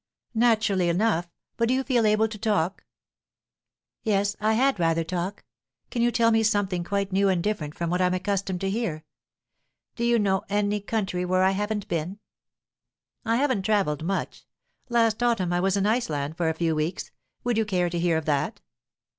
"Naturally enough. But do you feel able to talk?" "Yes; I had rather talk. Can you tell me something quite new and different from what I'm accustomed to hear? Do you know any country where I haven't been?" "I haven't travelled much. Last autumn I was in Iceland for a few weeks; would you care to hear of that?"